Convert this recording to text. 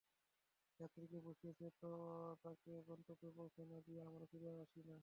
যাত্রীকে বসিয়েছি তো তাকে গন্তব্যে পৌঁছে না দিয়ে আমরা ফিরে আসি না।